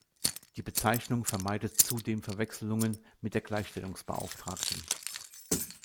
Die Bezeichnung vermeidet zudem Verwechselungen mit der Gleichstellungsbeauftragten.